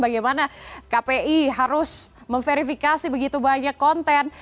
bagaimana kpi harus memverifikasi begitu banyak konten